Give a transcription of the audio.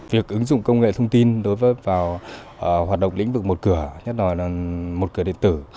việc ứng dụng công nghệ thông tin đối với vào hoạt động lĩnh vực một cửa nhất là một cửa điện tử